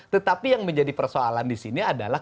tetapi yang menjadi persoalan di sini adalah